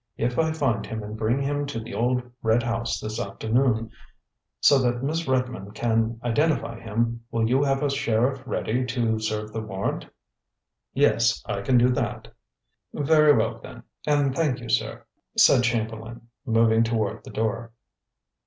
"If I find him and bring him to the old red house this afternoon, so that Miss Redmond can identify him, will you have a sheriff ready to serve the warrant?" "Yes, I can do that." "Very well, then, and thank you, sir," said Chamberlain, moving toward the door.